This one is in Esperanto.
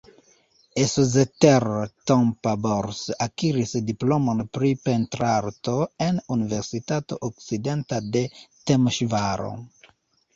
Eszter Tompa-Bors akiris diplomon pri pentrarto en Universitato Okcidenta de Temeŝvaro.